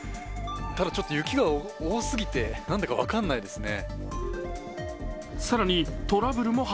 ただ、ちょっと雪が多すぎて何だか分かんないですね。